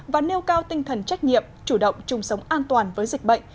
và nêu cao tinh thần trách nhiệm chủ động chung sống an toàn với dịch bệnh